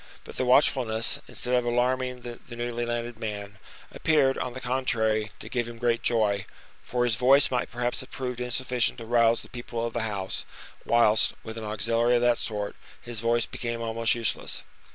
But the watchfulness, instead of alarming the newly landed man, appeared, on the contrary, to give him great joy, for his voice might perhaps have proved insufficient to rouse the people of the house, whilst, with an auxiliary of that sort, his voice became almost useless.